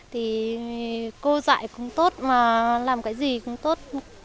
thì cô dạy không tốt mà làm cái gì cũng tốt